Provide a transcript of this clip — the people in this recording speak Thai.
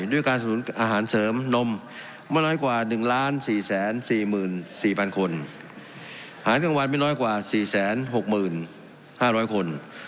๑๓ด้วยการสนุนอาหารเสริมนมมันไม่น้อยกว่า๑๔๔๔๐๐๐คน